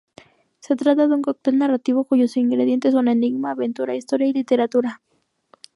Se trata de un coctel narrativo cuyos ingredientes son enigma, aventura, historia y literatura.